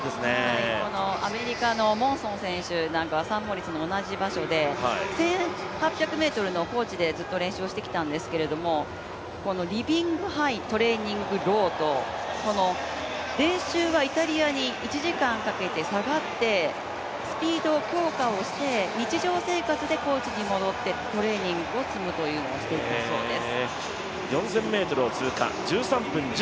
アメリカのモンソン選手なんかはサンモリッツの同じ場所で１８００ｍの高地でずっと練習をしてきたんですけど、リビングハイ、トレーニングローという、練習はイタリアに１時間かけて下がって、スピードを強化して、日常生活で高地に戻ってトレーニングを積むというのをしていたそうです。